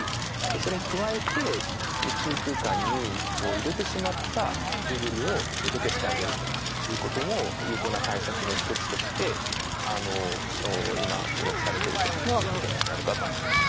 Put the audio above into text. それに加えて宇宙空間に入れてしまったデブリを除去してあげるということも有効な対策の一つとして今注目されてるということになるかと思います。